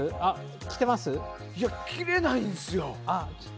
着れないんですよ。